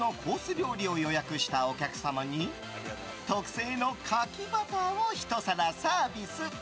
料理を予約したお客様に特製の牡蠣バターを１皿サービス。